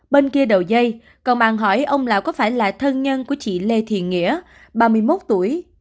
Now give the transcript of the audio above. bên kia đầu dây còn bàn hỏi ông lão có phải là thân nhân của chị lê thiện nghĩa ba mươi một tuổi